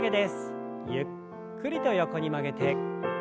ゆっくりと横に曲げて。